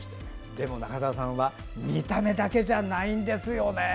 でも中澤さんは見た目だけじゃないんですよね。